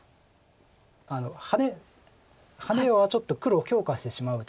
ハネはちょっと黒を強化してしまうということですか。